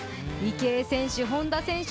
池江選手、本多選手。